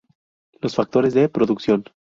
Los factores de producción.